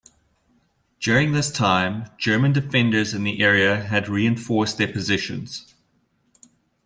During this time, German defenders in the area had reinforced their positions.